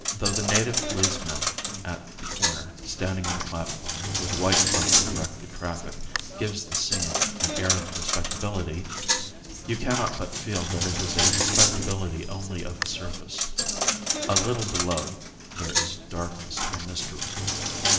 Though the native policeman at the corner, standing on a platform, with a white club to direct the traffic, gives the scene an air of respectability, you cannot but feel that it is a respectability only of the surface; a little below there is darkness and mystery.